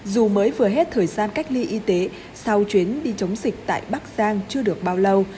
dù mới vừa hết thời gian cách ly y tế sau chuyến đi chống dịch tại bắc giang chưa được bao lâu